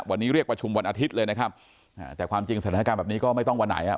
วันนี้เรียกประชุมวันอาทิตย์เลยนะครับอ่าแต่ความจริงสถานการณ์แบบนี้ก็ไม่ต้องวันไหนอ่ะ